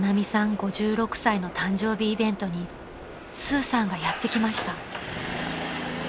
５６歳の誕生日イベントにスーさんがやって来ました］